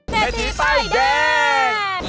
เศรษฐีป้ายแดง